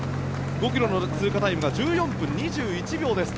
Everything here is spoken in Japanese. ５ｋｍの通過タイムが１４分２１秒です。